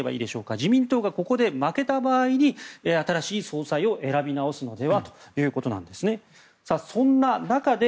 自民党がここで負けた場合に新しい総裁を選び直すのではということです。